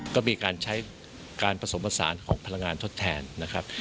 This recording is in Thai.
ก็มีการใช้การผสมผสานของพลังงานทดแทนนะครับ